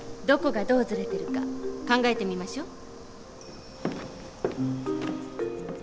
どこがどうずれてるか考えてみましょ。